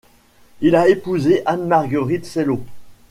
Il a épousé Anne-Marguerite Cellot.